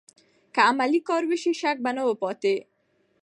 که عملي کار سوی و، شک به نه و پاتې.